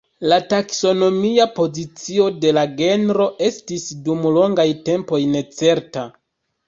La taksonomia pozicio de la genro estis dum longaj tempoj necerta.